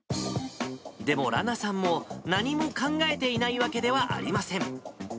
でも、らなさんも、何も考えていないわけではありません。